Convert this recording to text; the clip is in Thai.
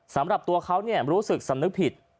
สำหรับตัวเขารู้สึกสำนึกผิด